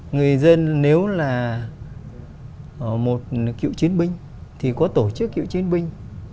người dân nếu là một cựu chiến binh thì có tổ chức cựu chiến binh